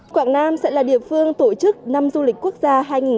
quảng nam sẽ là địa phương tổ chức năm du lịch quốc gia hai nghìn hai mươi bốn